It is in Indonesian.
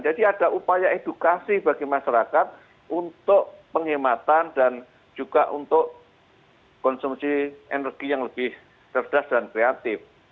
jadi ada upaya edukasi bagi masyarakat untuk penghematan dan juga untuk konsumsi energi yang lebih keras dan kreatif